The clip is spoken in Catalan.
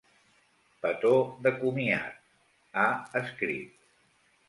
Petó de comiat, ha escrit.